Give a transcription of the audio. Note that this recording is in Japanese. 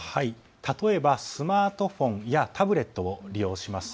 例えばスマートフォンやタブレットを利用します。